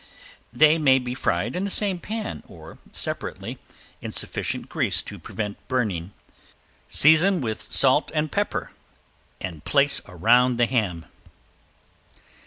They may be fried in the same pan or separately, in sufficient grease to prevent burning. Season with salt and pepper, place around the ham.